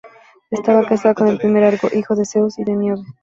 Estaba casada con el primer Argo, hijo de Zeus y de Níobe.